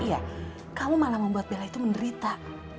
iya kamu malah membuat bela itu menderita